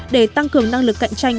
để tăng cường năng lực cạnh tranh